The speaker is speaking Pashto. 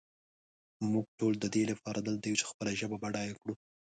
مونږ ټول ددې لپاره دلته یو چې خپله ژبه بډایه کړو.